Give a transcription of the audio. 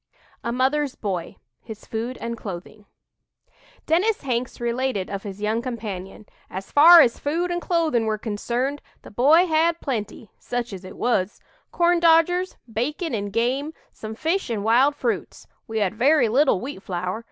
A "MOTHER'S BOY" HIS FOOD AND CLOTHING Dennis Hanks related of his young companion: "As far as food and clothing were concerned, the boy had plenty such as it was 'corndodgers,' bacon and game, some fish and wild fruits. We had very little wheat flour.